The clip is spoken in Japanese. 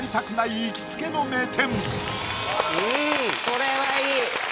これはいい！